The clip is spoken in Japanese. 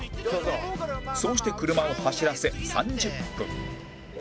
そうして車を走らせ３０分